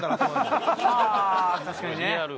確かにね。